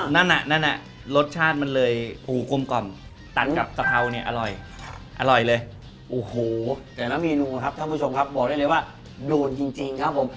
แต่ละมีนูครับท่านผู้ชมครับบอกได้เลยว่าโดนจริงจริงครับผม